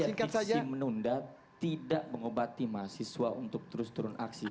institusi menunda tidak mengobati mahasiswa untuk terus turun aksi